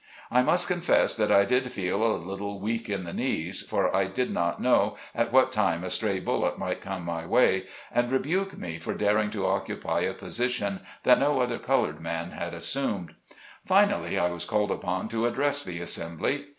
I must con fess that I did feel a little weak in the knees, for I did not know at what time a stray bullet might come my way, and rebuke me for daring to occupy a posi tion that no other colored man had assumed. Fin ally I was called upon to address the assembly.